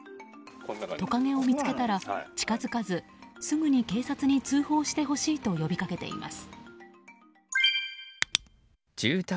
トカゲを見つけたら近づかずすぐに警察に通報してほしいと呼びかけています。